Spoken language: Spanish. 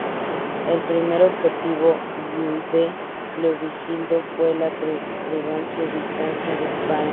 El primer objetivo de Leovigildo fue la provincia bizantina de Spania.